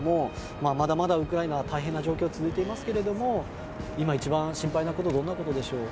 まだまだ、ウクライナは大変な状況が続いていますが今、一番心配なことどんなことでしょう？